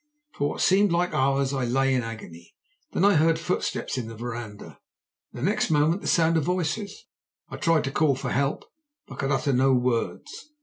For what seemed like hours I lay in agony, then I heard footsteps in the verandah, and next moment the sound of voices. I tried to call for help, but could utter no words.